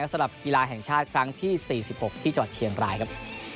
สำหรับกีฬาแห่งชาติครั้งที่๔๖ที่จังหวัดเชียงรายครับ